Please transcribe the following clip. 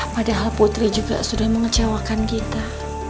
padahal putri juga sudah mengecewakan kita